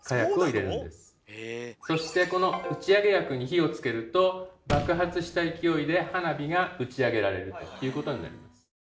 そしてこの打ち上げ薬に火をつけると爆発した勢いで花火が打ち上げられるということになります。